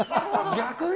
逆に？